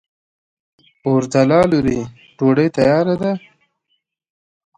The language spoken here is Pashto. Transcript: اورځلا لورې! ډوډۍ تیاره ده؟